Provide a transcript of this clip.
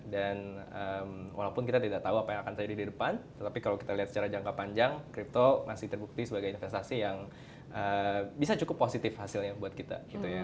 dan walaupun kita tidak tahu apa yang akan terjadi di depan tapi kalau kita lihat secara jangka panjang crypto masih terbukti sebagai investasi yang bisa cukup positif hasilnya buat kita